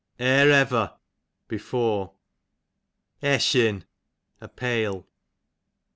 Ere ever, before. Eshin, a pale.